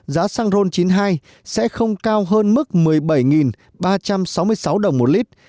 giá xăng ron chín mươi hai sẽ không cao hơn mức một mươi bảy ba trăm sáu mươi sáu đồng một lít